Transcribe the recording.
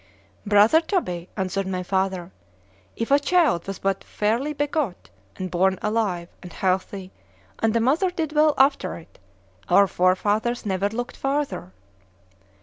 Brother Toby, answered my father, if a child was but fairly begot, and born alive, and healthy, and the mother did well after it,—our forefathers never looked farther.